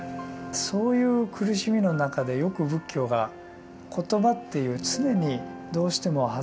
そういう苦しみの中でよく仏教が言葉っていう常にどうしても外れちゃうというんですかね